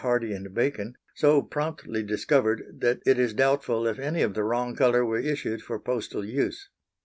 Hardy and Bacon, so promptly discovered, that it is doubtful if any of the wrong colour were issued for postal use.